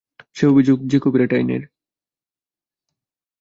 যে অভিযোগ, তা কপিরাইট আইনের।